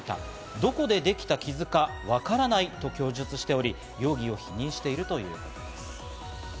どこでできた傷かわからないと供述しており、容疑を否認しているということです。